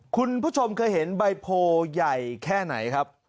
คุณผู้ชมเคยเห็นใบโพใหญ่แค่ไหนครับ